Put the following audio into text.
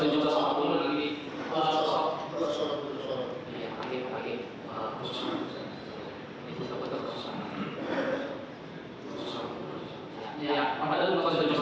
jadi itu adalah enam belas enam belas enam belas tujuh belas